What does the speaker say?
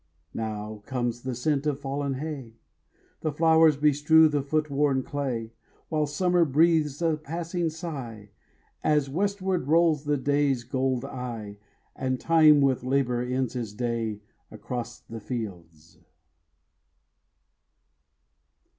Now comes the scent of fallen hay, And flowers bestrew the foot worn clay, While summer breathes a passing sigh, As westward rolls the day's gold eye, And Time with Labour ends his day Across the fields.